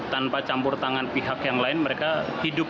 tanpa campur tangan pihak yang lain mereka hidup